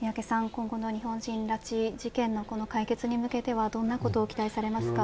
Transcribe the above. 今後の日本人拉致問題の解決に向けてはどんなことを期待されますか。